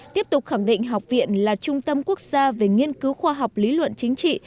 tiếp tục khẳng định học viện là trung tâm quốc gia về nghiên cứu khoa học lý luận chính trị